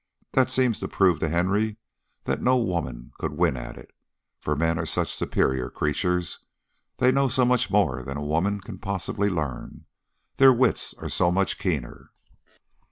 That seemed to prove to Henry that no woman could win at it, for men are such superior creatures. They know so much more than a woman can possibly learn; their wits are so much keener!